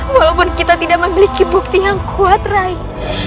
walaupun kita tidak memiliki bukti yang kuat raih